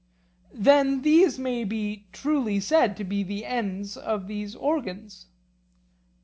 These then may be truly said to be the ends of these organs?